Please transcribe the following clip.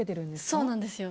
そうなんですよ。